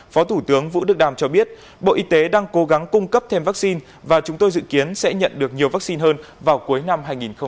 phó thủ tướng vũ đức đam cho biết bộ y tế đang cố gắng cung cấp thêm vaccine và chúng tôi dự kiến sẽ nhận được nhiều vaccine hơn vào cuối năm hai nghìn hai mươi